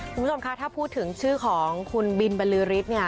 คุณผู้ชมคะถ้าพูดถึงชื่อของคุณบินบรรลือฤทธิ์เนี่ย